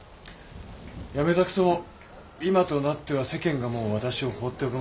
やめたくても今となっては世間がもう私を放っておくまい。